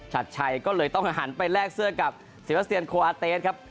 ชัดชัยก็เลยต้องหันไปแลกเสื้อกับศิลสเตียนโคอาเตสครับ